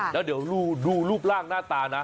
แล้วเดี๋ยวดูรูปร่างหน้าตานะ